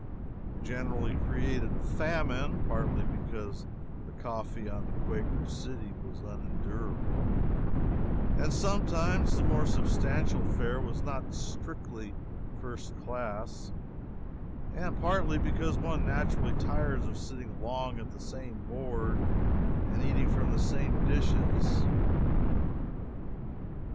We generally created a famine, partly because the coffee on the __Quaker City__ was unendurable, and sometimes the more substantial fare was not strictly first class; and partly because one naturally tires of sitting long at the same board and eating from the same dishes.